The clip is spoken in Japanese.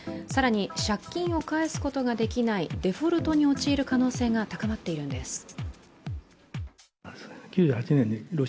更に借金を返すことができないデフォルトに陥る可能性が高まっているんです。